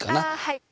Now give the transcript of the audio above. はい。